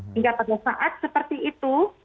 hingga pada saat seperti itu